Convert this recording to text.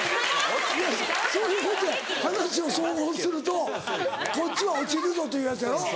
いやそういうことや話を総合するとこっちは落ちるぞというやつやろ。